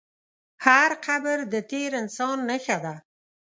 هر قبر د تېر انسان نښه ده.